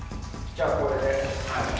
じゃあ、これで。